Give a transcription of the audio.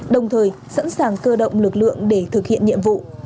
đồng thời sẵn sàng cơ động lực lượng để thực hiện nhiệm vụ